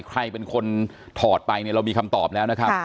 ใครเป็นคนถอดไปเนี่ยเรามีคำตอบแล้วนะครับ